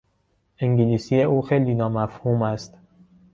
انگلیسی او خیلی نامفهوم است.